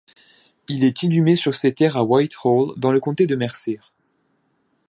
Il est inhumé sur ses terres à White Hall dans le comté de Mercer.